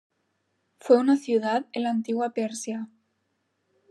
Fue una ciudad en la antigua Persia.